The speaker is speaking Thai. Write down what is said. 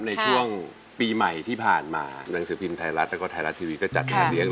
ในช่วงปีใหม่ที่ผ่านมาหนังสือพิมพ์ไทยรัฐแล้วก็ไทยรัฐทีวีก็จัดงานเลี้ยง